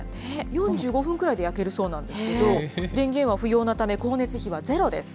４５分ぐらいで焼けるそうなんですけれども、電源は不要なため、光熱費はゼロです。